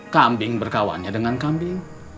kambing berkawannya dengan kambing